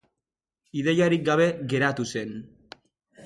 Ideiarik gabe geratu zen.